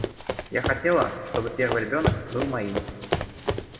Я хотела, чтобы первый ребенок был моим.